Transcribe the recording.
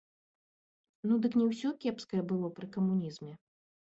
Ну дык не ўсё кепскае было пры камунізме!